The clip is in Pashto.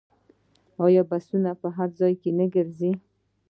آیا بسونه په هر ځای کې نه ګرځي؟